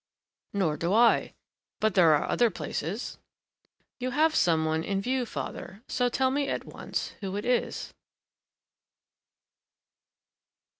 "Nor do I, but there are other places." "You have some one in view, father; so tell me at once who it is."